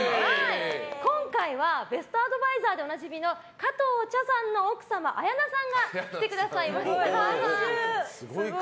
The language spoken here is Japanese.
今回はベストアドバイザーでおなじみの加藤茶さんの奥様綾菜さんが来てくださいます。